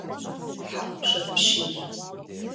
Хьэкъужь апщий.